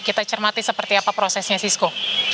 kita cermati seperti apa prosesnya sisko